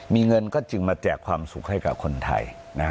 มีเงินก็จึงมาแจกความสุขให้กับคนไทย